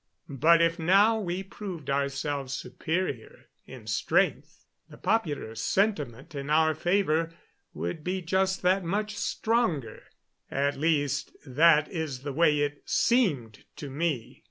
But if now we proved ourselves superior in strength, the popular sentiment in our favor would be just that much stronger. At least, that is the way it seemed to me.